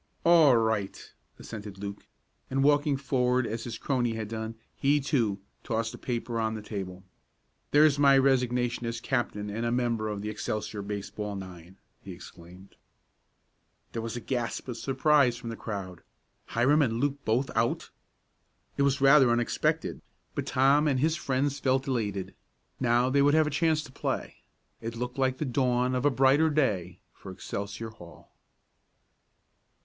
"All right," assented Luke, and walking forward as his crony had done, he, too, tossed a paper on the table. "There's my resignation as captain and a member of the Excelsior baseball nine!" he exclaimed. There was a gasp of surprise from the crowd. Hiram and Luke both out! It was rather unexpected, but Tom and his friends felt elated. Now they would have a chance to play. It looked like the dawn of a brighter day for Excelsior Hall.